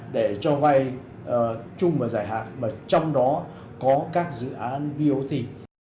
để cho vay chung và giải hạn và trong đó có các dự án biểu thị